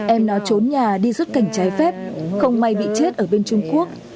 em đã trốn nhà đi xuất cảnh trái phép không may bị chết ở bên trung quốc